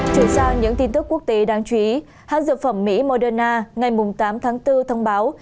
chuyển sang những tin tức quốc tế đáng chú ý hãng dược phẩm mỹ moderna ngày tám tháng bốn thông báo